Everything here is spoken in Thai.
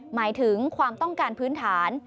หมายถึงความต้องการพื้นฐาน